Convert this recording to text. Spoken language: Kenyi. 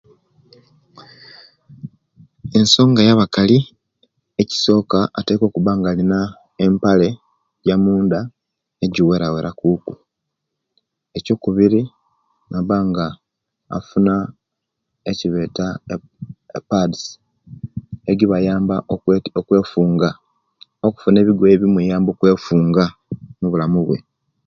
Ensonga yabakali ekisoka ateka okuba nga alina empale eyamunda ejiwera wera kuku ekyokubiri nabanga afuna ekibeta epads egibayamba okwefunga okufuna ebigoye ebimuyamba okwefunga